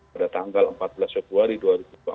pada tanggal empat belas februari dua ribu dua puluh